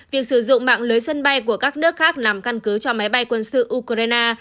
việc sử dụng mạng lưới sân bay của các nước khác làm căn cứ cho máy bay quân sự ukraine